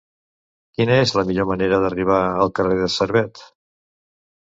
Quina és la millor manera d'arribar al carrer de Servet?